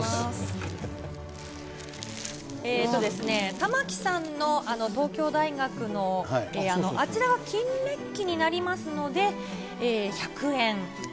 玉城さんの東京大学の、あちらは金メッキになりますので、１００円。